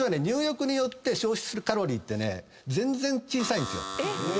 入浴によって消費するカロリーってね全然小さいんですよ。